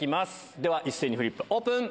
では一斉にフリップ、オープン。